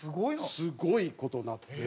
すごい事になってる。